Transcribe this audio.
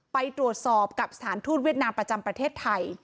ไปตรวจสอบกับสถานทูตเวียดนามประจำประเทศไทย